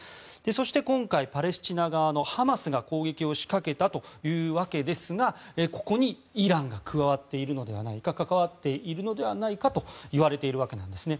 そして、今回、パレスチナ側のハマスが攻撃を仕掛けたというわけですがここにイランが加わっているのではないか関わっているのではないかといわれているわけなんですね。